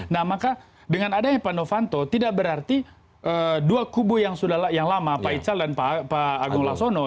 nah maka dengan adanya pak novanto tidak berarti dua kubu yang sudah yang lama pak ical dan pak agung lasono